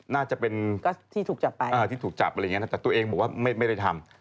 น่าจะเป็นก็ที่ถูกจับไปที่ถูกจับอะไรอย่างนี้นะแต่ตัวเองบอกว่าไม่ได้ทำ